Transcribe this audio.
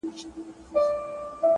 • مخامخ سوله په جنګ کي دوه پوځونه ,